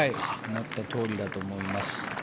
思ったとおりだと思います。